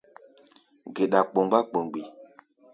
Geɗa kpomgbá kpomgbí.